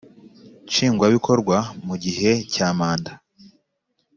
nshingwa bikorwa mugihe cya manda